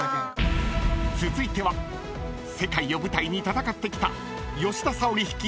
［続いては世界を舞台に戦ってきた］